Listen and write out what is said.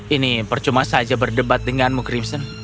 ini percuma saja berdebat denganmu cripson